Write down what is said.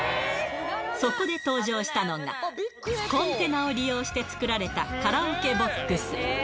そこで登場したのが、コンテナを利用して作られたカラオケボックス。